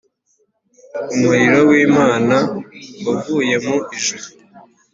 Umuriro w’Imana wavuye mu ijuru